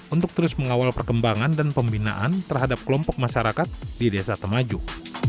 untuk terus mengawal perkembangan dan pembinaan terhadap kelompok masyarakat di desa temajuk